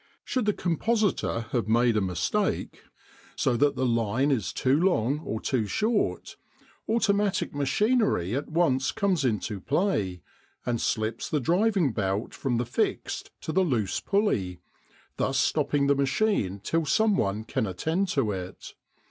Should the compositor have made a mistake, so that the line is too long or too short, automatic machinery at once comes into play, and slips the driving belt from the fixed to the loose pulley, thus stopping the machine till some one can attend to it.